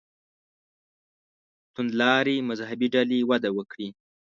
توندلارې مذهبي ډلې وده وکړي.